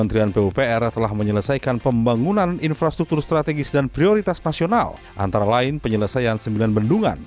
tujuh puluh lima ribu jaringan infrastruktur strategis dan penyelesaian sembilan bendungan